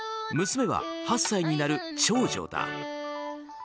娘は８歳になる長女だ。